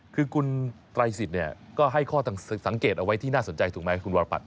คือคุณไตรสิทธิ์เนี่ยก็ให้ข้อสังเกตเอาไว้ที่น่าสนใจถูกไหมคุณวรพัต